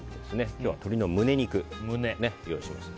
今日は鶏の胸肉を用意しました。